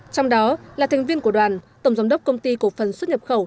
trong đó là thành viên của đoàn tổng giám đốc công ty cổ phần xuất nhập khẩu